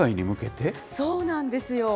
そうなんですよ。